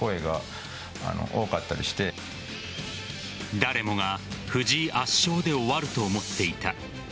誰もが藤井圧勝で終わると思っていた。